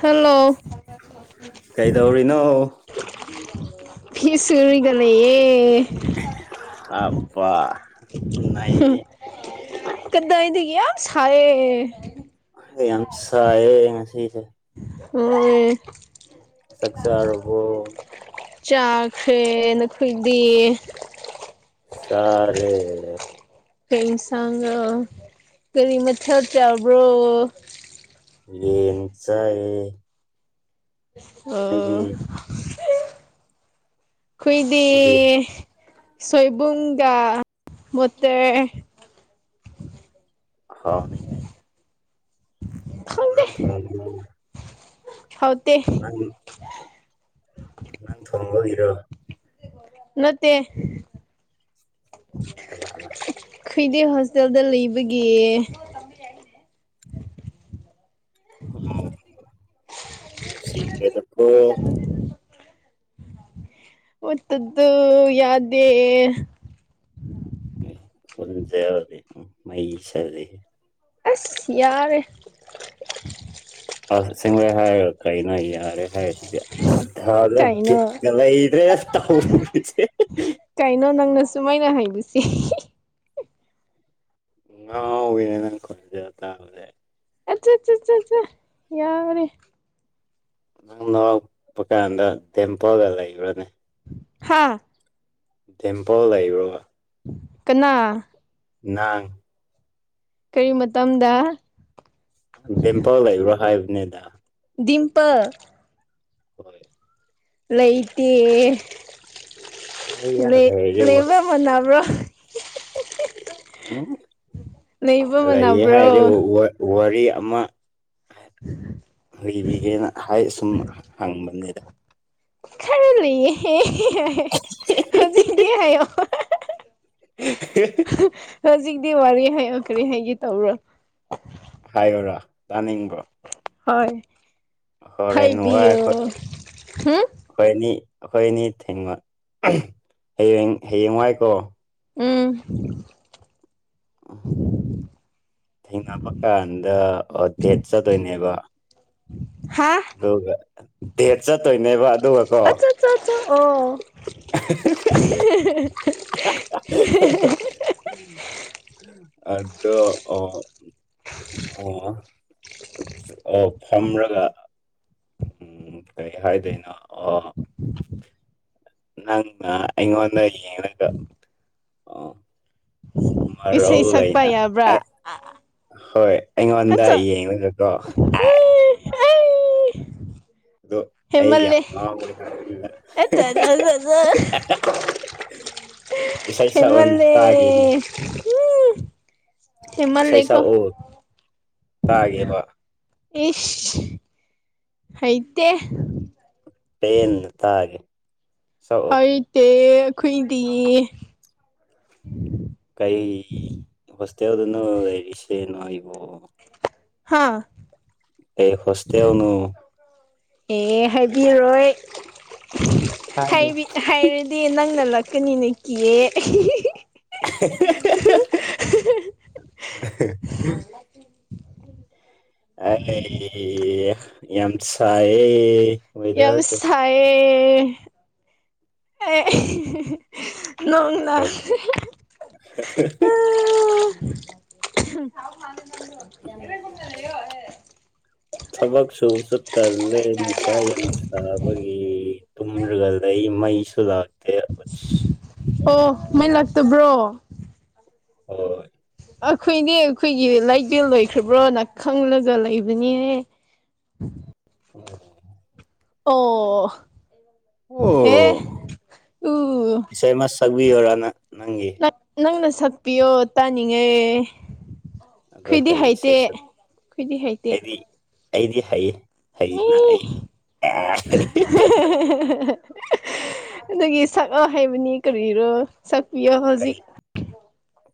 hello ꯀꯩꯗꯧꯔꯤꯅꯣ ꯐꯤꯁꯔꯤꯒꯅꯦꯌꯦ ꯑꯄꯥ ꯎꯏꯌꯦꯦ ꯀꯗꯥ ꯏꯗꯤꯒ ꯁꯑ ꯌꯥꯝ ꯁꯥꯏꯌꯦ ꯉꯁꯤꯁꯦ ꯑꯣ ꯆꯛꯁꯔꯕꯨꯣ ꯆꯥꯈꯦ ꯅꯈꯣꯏꯗꯤ ꯁꯔꯦ ꯀꯩ ꯁꯥꯥꯡꯉ ꯀꯔꯤ ꯃꯊꯊꯧ ꯆꯥꯕ꯭ꯔꯣ ꯌꯦ ꯆꯌꯦ ꯑꯗꯨꯗꯒꯤ ꯑꯩꯈꯣꯏꯗꯤ ꯈꯨꯣꯏꯗꯦ ꯅꯪꯗꯤ ꯁꯣꯏꯕꯨꯡꯒꯥ ꯃꯠꯇꯦ ꯍꯥꯎꯅꯦ ꯑ ꯈꯪꯗꯦ ꯅꯥꯟ ꯊ ꯍꯥꯎꯇꯦ ꯅꯪ ꯅꯪ ꯊꯣꯡꯕ ꯍꯔꯣ ꯅꯠꯇ ꯑꯂ ꯈꯣꯏꯗꯦ ꯍꯣꯁꯇꯦꯜꯗ ꯂꯩꯕꯒꯤ ꯑ ꯃꯁꯤꯁꯤꯈꯔꯗꯀ ꯃꯠꯇꯗꯨ ꯌꯥꯗꯦ ꯈꯨꯖꯎꯗꯤ ꯃꯩꯁꯔꯤ ꯑꯁ ꯌꯥꯔꯦ ꯑꯁ ꯁꯤꯡꯦ ꯍꯥꯏꯌ ꯀꯩꯅ ꯌꯥꯔꯦ ꯍꯥꯏ ꯁꯤꯗꯤ ꯂ ꯀꯩꯅꯣ ꯀꯠꯒꯂ ꯏꯗ꯭ꯔꯦ ꯇꯁꯦ ꯀꯩꯅꯣ ꯅꯪꯅ ꯁꯨꯃꯥꯏꯅ ꯍꯥꯏꯗꯨꯁ ꯑꯅ ꯅ ꯈꯖ ꯇ ꯍꯧꯖꯦ ꯑꯠꯆꯥꯠ ꯌꯥꯔꯦ ꯅꯪ ꯅꯔꯛꯄ ꯀꯥꯟꯗ ꯇꯦꯝꯄꯜꯒ ꯂꯩꯕ꯭ꯔꯅꯦ ꯍꯥꯥ ꯇꯦꯝꯄꯜ ꯂꯩꯕ꯭ꯔꯣ ꯀꯅꯥ ꯅꯪ ꯀꯔꯤ ꯃꯇꯝꯗ ꯚꯝꯄꯥꯎ ꯂꯩꯔ ꯍꯥꯏꯕꯅꯦꯗ ꯗꯤꯡꯇꯜ ꯍꯣꯏ ꯂꯩꯇꯦ ꯑꯩꯌꯥ ꯂꯩ ꯂꯩꯔꯦ ꯋꯥ ꯂꯩꯕ ꯃꯥꯅꯕ꯭ꯔꯣ [inaudible] ꯎꯝ ꯂꯩꯕ ꯑ ꯂꯩꯌ‌ꯦ ꯍꯥꯏꯔꯦ ꯃꯥꯟꯅꯕ꯭ꯔꯣ ꯋꯥ ꯋꯥ ꯋꯥꯔꯤ ꯑꯃ ꯑꯥ ꯂꯤꯕꯤꯒꯦꯅ ꯍꯥꯏ ꯁꯨꯝ ꯍꯪ ꯍꯪꯕꯅꯦꯗ ꯈꯔ ꯂꯩꯌ‌ꯦ ꯍꯧꯖꯤꯛꯗꯤ ꯍꯥꯏꯌ‌ꯣ [inaudible] ꯗꯨꯒꯤ ꯋꯥꯔꯤ ꯍꯥꯏꯌ‌ꯣ ꯀꯔꯤ ꯍꯥꯏꯒ‌ꯦ ꯇꯧ꯭ꯕꯔꯣ ꯍꯥꯏꯌꯨꯔ‌ꯣ ꯇꯥꯟꯅꯤꯡꯕꯔ‌ꯣ ꯍꯣꯏ ꯍ‌ꯣꯔꯦꯟ ꯋꯥꯏ ꯑꯩꯈ‌ꯣꯏ ꯍꯥꯏꯕꯤꯌꯣ ꯍꯨꯝ ꯑꯈ‌ꯣꯏ ꯑꯅꯤ ꯑꯩꯈꯣꯏ ꯑꯅꯤ ꯊꯦꯡꯅ ꯑꯝ ꯍꯌꯦꯡ ꯍꯌꯦꯡꯋꯥꯏꯀꯣ ꯎꯝ ꯊꯦꯡꯅꯕ ꯀꯥꯟꯗ ꯑꯥ ꯗꯦꯠ ꯆꯠꯇ‌ꯣꯏꯅꯦꯕ ꯍꯥ ꯑꯗꯨꯒ ꯗꯦꯠ ꯆꯠꯇꯣꯏꯅꯦꯕ ꯑꯗꯨꯒ ꯀꯣ ꯑꯆꯥ ꯆꯥ ꯑꯣ [inaudible] ꯑꯗꯣ ꯑꯣ ꯑꯣ ꯑꯣ ꯐꯝꯔꯒ ꯎꯝ ꯀꯩ ꯍꯥꯏꯗꯣꯏꯅꯣ ꯑ‌ꯣ [inaudible] ꯅꯪꯅ ꯑꯩꯉꯣꯟꯗ ꯌ‌ꯦꯡꯂꯒ ꯏꯁꯩ ꯃꯔꯧ ꯁꯛꯄ ꯂꯩꯅ ꯌꯥꯕ꯭ꯔꯥ ꯑꯩ ꯍꯣꯏ ꯑꯩꯉꯣꯟꯗ ꯌꯦꯡꯉꯒꯀꯣ ꯑꯥꯏ ꯑꯩ ꯑꯗꯣ ꯑꯩ ꯌꯥꯝ ꯉꯥꯎꯕꯣꯏ ꯍꯥꯏꯕꯅꯤꯗ [unintelligible] ꯏꯁꯩ ꯁꯛꯑꯣꯅꯦ ꯍꯦꯃꯜꯂꯦ ꯇꯥꯒꯦꯅꯦ ꯍꯦꯟꯃꯜꯂ‌ꯦꯀ‌ꯣ ꯇꯥꯒ‌ꯦꯕ ꯏꯁ ꯍꯩꯇ‌ꯦ ꯄꯦꯟꯅ ꯇꯥꯒꯦ ꯁꯛꯑꯣ ꯍꯩꯇꯦ ꯑꯩꯈꯣꯏꯗꯤ ꯇ‌ꯦꯜꯗꯅꯣ ꯂꯩꯔꯤꯁꯦ ꯅꯣꯏꯕꯨ ꯍꯥꯥ ꯀꯩ ꯍ‌ꯣꯁꯇꯦꯜꯅ‌ꯣ ꯑꯦ ꯍꯥꯏꯕꯤꯔꯣꯏ ꯍꯥꯏꯌꯨ ꯍꯥꯏꯕꯤ ꯍꯥꯏꯔꯗꯤ ꯅꯪ ꯅ ꯂꯛꯀꯅꯤꯅ ꯀꯤꯌꯦ [inaudible] ꯑꯩ ꯌꯥꯝ ꯁꯥꯏꯌꯦ ꯌꯥꯝ ꯋꯦꯗꯔꯁꯦ ꯁꯥꯏꯌꯦ ꯑꯩ ꯅꯣꯡꯅ [unintelligible] ꯀꯔꯤꯅꯣ [unintelligible] ꯊꯕꯛ ꯁꯨꯝ ꯆꯠ ꯇꯜꯂꯦ ꯅꯨꯡꯁꯥ ꯌꯥꯝ ꯁꯥꯕꯒꯤ ꯇꯨꯝꯔꯒ ꯂꯩ ꯃꯩ ꯁꯨ ꯂꯥꯛꯇ‌ꯦ ꯑꯣ ꯃꯩ ꯂꯥꯛꯇꯕ꯭ꯔꯣ ꯍꯣꯏ ꯑꯩꯈꯣꯏꯅꯦ ꯑꯩꯈꯣꯏꯒꯤ ꯂꯥꯏꯕꯦꯜ ꯂꯣꯏꯈ꯭ꯔꯕ꯭ꯔꯅ ꯈꯪꯂꯒ ꯂꯩꯕꯅꯦꯍꯦ [unintelligible] ꯑꯣ ꯑꯣ ꯑꯦ ꯑꯣ ꯎ ꯇꯛꯕꯤꯔꯔꯅ ꯪ ꯅꯪꯅ ꯁꯛꯄꯤꯌꯣ ꯇꯥꯅꯤꯡꯉꯦ ꯑꯗꯣ ꯈꯣꯏꯗꯤ ꯀꯩ ꯍꯥꯏꯩꯇ ꯏꯁꯩ ꯁꯛ ꯈꯗꯤ ꯍꯥꯏꯩꯇ ꯑꯩꯗꯤ ꯑꯩꯗꯤ ꯍꯩ ꯍꯅ ꯑꯩꯗꯤ ꯑꯗꯨꯒꯤ ꯁꯛꯑ ꯍꯥꯏꯩꯕꯅꯤ ꯀꯔꯤꯔꯣ ꯁꯛ ꯀ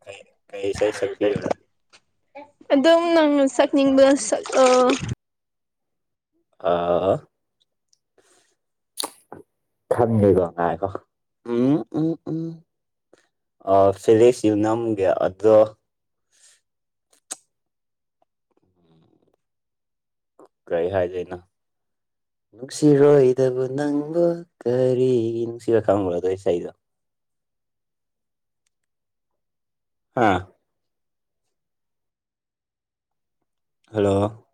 ꯀ ꯀꯩꯁꯩꯁꯄꯤꯤꯣ ꯑꯗꯨꯝ ꯅꯪ ꯆꯛꯅꯤꯡꯕ ꯑ ꯑꯥ ꯈꯪꯒꯩꯗꯣꯉꯀꯣ ꯎꯝ ꯎꯝ ꯎꯝ ꯐꯤꯂꯤꯛꯁ ꯌꯨꯅꯝꯒꯤ ꯑꯗꯣ ꯀꯔꯤ ꯍꯥꯏꯗꯩꯅ ꯅꯨꯡꯁꯤꯔꯣꯏꯗꯕꯨ ꯅꯪꯕꯨ ꯀꯔꯤꯒꯤ ꯅꯨꯡꯁꯤꯕ ꯈꯪꯕ꯭ꯔꯣꯗꯣ ꯏꯁꯩꯗꯣ ꯑꯥ ꯍꯜꯂꯣ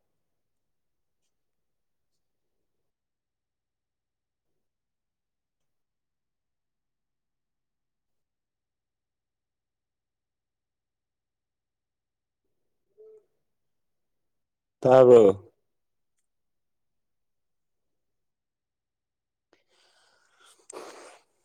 ꯇꯥꯕꯣ [inaudible]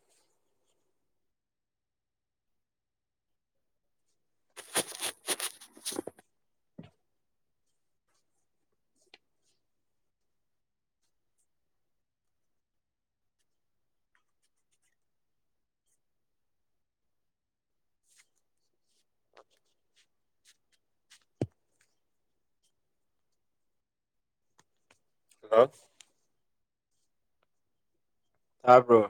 ꯍꯥ ꯇꯥꯔꯕ꯭ꯔꯣ